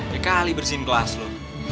dekali bersihin kelas lo